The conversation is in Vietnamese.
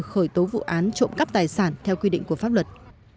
khởi tố vụ án trộm cắp tài sản theo quy định của pháp luật